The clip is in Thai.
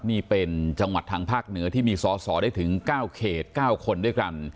นี่เป็นจังหวัดทางภาคเหนือที่มีสอสอได้ถึง๙เขต๙คนด้วยกัน